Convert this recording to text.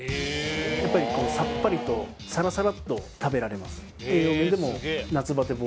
やっぱりさっぱりとさらさらっと食べられます